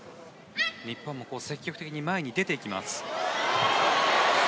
日本も積極的に前に出ていきます。